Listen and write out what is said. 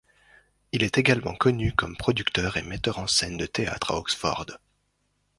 Il est également connu comme producteur et metteur en scène de théâtre à Oxford.